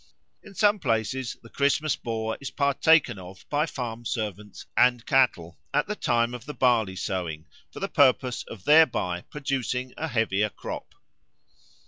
In some places the Christmas Boar is partaken of by farm servants and cattle at the time of the barley sowing, for the purpose of thereby producing a heavier crop.